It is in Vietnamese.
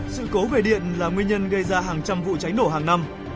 sự cố về điện là nguyên nhân gây ra hàng trăm vụ cháy nổ hàng năm